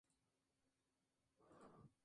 El teatro se conserva con su escenario original.